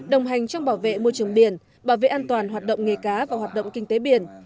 đồng hành trong bảo vệ môi trường biển bảo vệ an toàn hoạt động nghề cá và hoạt động kinh tế biển